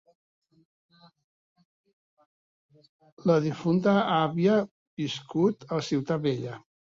La difunta havia viscut a Ciutat Vella.